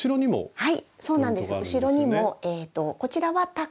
はい。